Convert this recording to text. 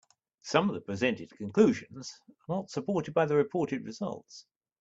Some of the presented conclusions are not supported by the reported results.